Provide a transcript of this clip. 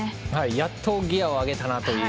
やっとギアを上げたなという。